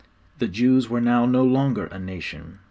The Jews were now no longer a nation.